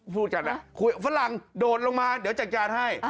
พูดกันนะคุยฝรั่งโดดลงมาเดี๋ยวจัดการให้